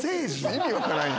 意味分からんやん。